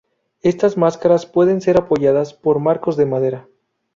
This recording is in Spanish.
Estas máscaras pueden ser apoyadas por marcos de madera.